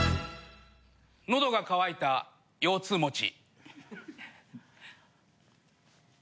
喉が渇いた腰痛持ち。